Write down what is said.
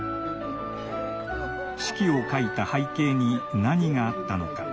手記を書いた背景に何があったのか？